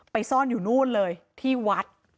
ซ่อนอยู่นู่นเลยที่วัด